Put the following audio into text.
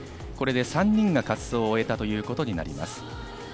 これで３人が滑走を終えたということになります。